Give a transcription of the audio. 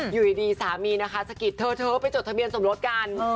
อยู่ดีสามีนะคะสะกิดเธอเธอไปจดทะเบียนสมรสกัน